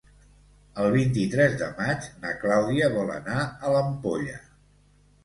El vint-i-tres de maig na Clàudia vol anar a l'Ampolla.